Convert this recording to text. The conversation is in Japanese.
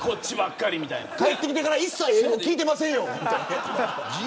帰ってきてから一切、英語聞いてませんよ。